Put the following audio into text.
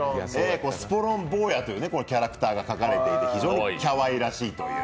スポロン坊やというキャラクターが描かれていて非常にきゃわいらしい。